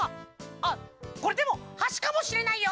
あこれでもはしかもしれないよ！